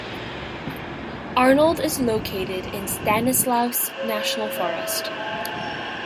Arnold is located in Stanislaus National Forest.